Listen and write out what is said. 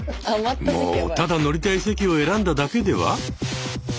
もうただ乗りたい席を選んだだけでは？